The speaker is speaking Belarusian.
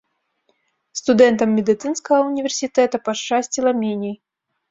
Студэнтам медыцынскага універсітэта пашчасціла меней.